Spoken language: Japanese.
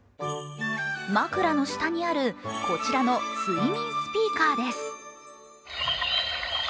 枕の下にあるこちらの睡眠スピーカーです。